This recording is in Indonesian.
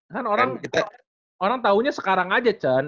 kan orang taunya sekarang aja